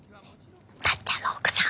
たっちゃんの奥さん。